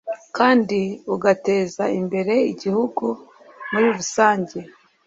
kandi ugateza imbere igihugu muri rusange